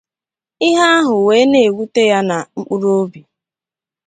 ihe ahụ wee na-ewute ya na mkpụrụobi